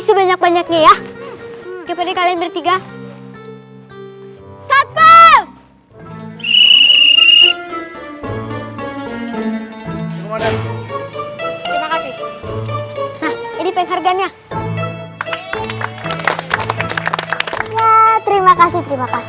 sebanyak banyaknya ya kepada kalian bertiga satpam ini pengharganya ya terima kasih terima kasih